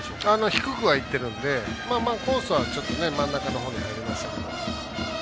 低くは、いってるのでコースはちょっとね真ん中の方になりましたけど。